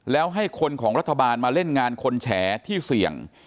แล้วให้คนของรัฐบาลมาเล่นงานคนแฉที่เสี่ยง